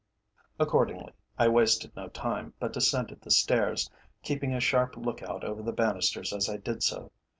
Accordingly, I wasted no time, but descended the stairs, keeping a sharp look out over the banisters as I did so.